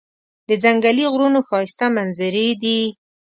د ځنګلي غرونو ښایسته منظرې دي.